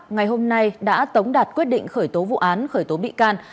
ngày hôm nay đã tống đạt quyết định khởi tố vụ án khởi tố bị can